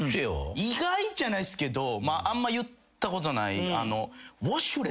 意外じゃないっすけどあんま言ったことない。